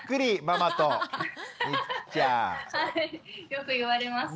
よく言われます。